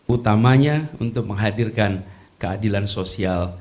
utamanya untuk menghadirkan keadilan sosial